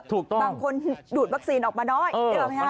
บางคนดูดวัคซีนออกมาน้อยนึกออกไหมฮะ